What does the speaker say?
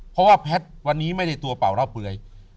เพราะว่าแพทย์วันนี้ไม่ได้ตัวเป่าเล่าเปลือย